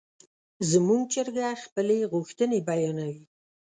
زموږ چرګه خپلې غوښتنې بیانوي.